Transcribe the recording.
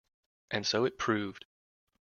And so it proved.